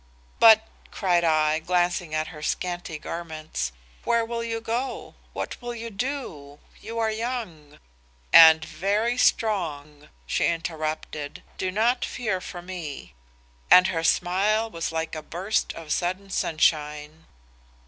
"'But,' cried I, glancing at her scanty garments, 'where will you go? What will you do? You are young ' "'And very strong,' she interrupted. 'Do not fear for me.' And her smile was like a burst of sudden sunshine.